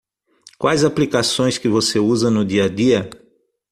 Quais aplicações que você usa no dia-a-dia?